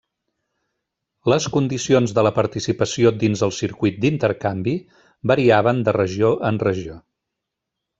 Les condicions de la participació dins el circuit d'intercanvi variaven de regió en regió.